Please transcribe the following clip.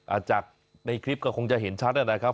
อาจจะในคลิปก็คงจะเห็นชัดน่ะนะครับ